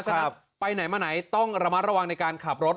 ฉะนั้นไปไหนมาไหนต้องระมัดระวังในการขับรถ